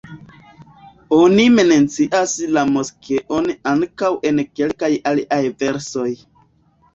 Oni mencias la moskeon ankaŭ en kelkaj aliaj versoj.